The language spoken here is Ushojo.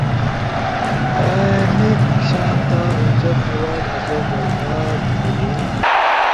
این ایک شانتا اُوچت اواز آسو برداشت تھوگونا